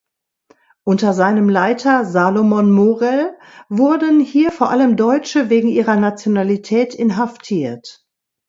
Unter seinem Leiter Salomon Morel wurden hier vor allem Deutsche wegen ihrer Nationalität inhaftiert.